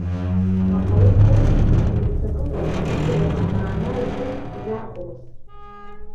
Аха уи дхәыцны, дмыццакыкәа, иидыруа амаана ихы изархәомызт.